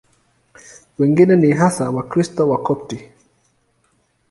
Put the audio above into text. Wengine ni hasa Wakristo Wakopti.